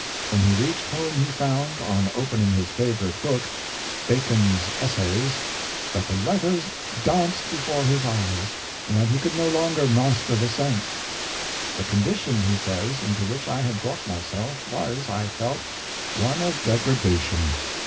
When he reached home he found, on opening his favorite book —" Bacon's Essays "— that the letters danced before his eyes, and that he could no longer master the sense. " The condition," he says, " into which I had brought myself was, I felt, one of degradation.